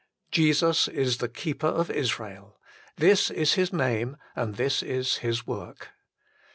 Jesus is the Keeper of Israel. This is His name and this is His work.